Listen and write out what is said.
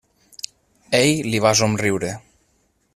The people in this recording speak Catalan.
Ell li va somriure.